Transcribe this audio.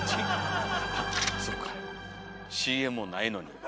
そうかＣＭもないのに。